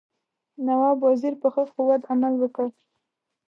نواب وزیر په ښه قوت عمل وکړ.